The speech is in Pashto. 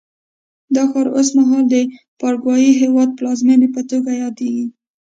دا ښار اوس مهال د پاراګوای هېواد پلازمېنې په توګه یادېږي.